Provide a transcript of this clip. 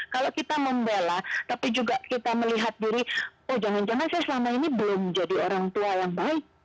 kalau kita membela tapi juga kita melihat diri oh jangan jangan saya selama ini belum jadi orang tua yang baik